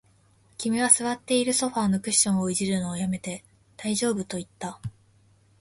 君は座っているソファーのクッションを弄るのを止めて、大丈夫と言った